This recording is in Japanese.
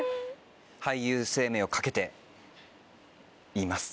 俳優生命を懸けて言います。